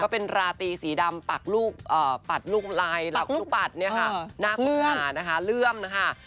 เป็นราตรีสีดำปักลูกลายหลักลูกปัดเนี่ยค่ะหน้าคุณตานะคะเลื่อมนะคะ